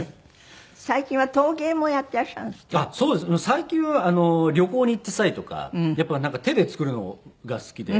最近は旅行に行った際とかやっぱり手で作るのが好きで。